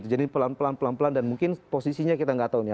jadi pelan pelan dan mungkin posisinya kita tidak tahu nih